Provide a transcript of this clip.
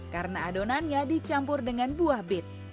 karena adonannya dicampur dengan buah beet